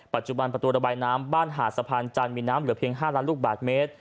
ปัจจุบันประตูระบายน้ำบ้านหาดสะพานจันทร์มีน้ำเหลือเพียง๕ล้านลูกบาทเมตร